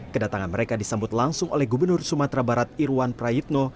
kedatangan mereka disambut langsung oleh gubernur sumatera barat irwan prayitno